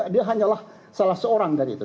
dia hanyalah salah seorang dari itu